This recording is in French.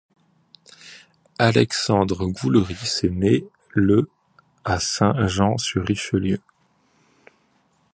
Alexandre Boulerice est né le à Saint-Jean-sur-Richelieu.